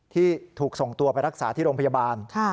ที่ถูกส่งตัวไปรักษาที่โรงพยาบาล